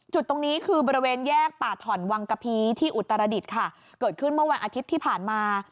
จุดตรงนี้คือบริเวณแยกป่าถ่อนวังกะพีที่อุตรดิษฐ์ค่ะเกิดขึ้นเมื่อวันอาทิตย์ที่ผ่านมา